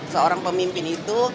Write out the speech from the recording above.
seorang pemimpin itu